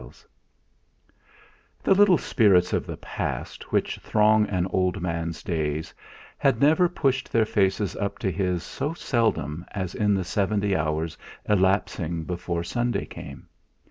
III The little spirits of the past which throng an old man's days had never pushed their faces up to his so seldom as in the seventy hours elapsing before Sunday came.